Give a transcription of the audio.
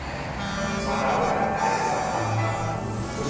そんなことより大切なのは